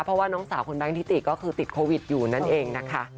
เพราะว่าน้องสาวคุณแบงคิติก็คือติดโควิดอยู่นั่นเองนะคะ